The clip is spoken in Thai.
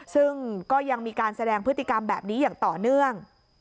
ซึ่งก็ยังมีการแสดงพฤติกรรมแบบนี้อย่างต่อเนื่อง